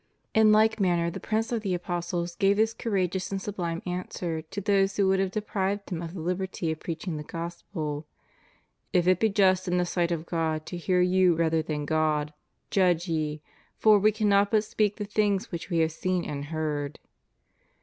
In like manner the prince of the apostles gave this courageous and sublime answer to those who would have deprived him of the Uberty of preaching the Gospel : If it be just in the sight of God to hear you rather than God, judge ye, for we cannot but speak the things which we have seen and heard.